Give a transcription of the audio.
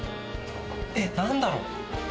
えっ何だろう。